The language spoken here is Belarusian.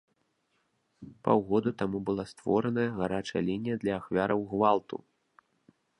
Паўгода таму была створаная гарачая лінія для ахвяраў гвалту.